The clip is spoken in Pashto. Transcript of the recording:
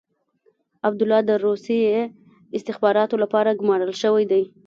عبدالله د روسي استخباراتو لپاره ګمارل شوی دی.